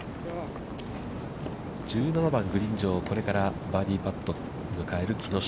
１７番、グリーン上、これからバーディーパットを迎える木下。